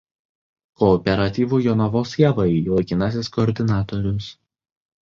Kooperatyvų "Jonavos javai" laikinasis koordinatorius.